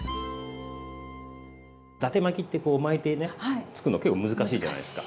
だて巻きってこう巻いてねつくるの結構難しいじゃないですか？